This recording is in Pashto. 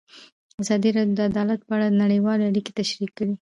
ازادي راډیو د عدالت په اړه نړیوالې اړیکې تشریح کړي.